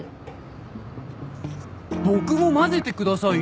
僕も交ぜてくださいよ。